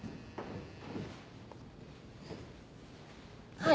はい。